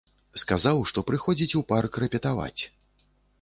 Сказаў, што прыходзіць у парк рэпетаваць.